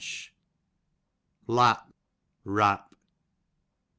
Lap, wrap.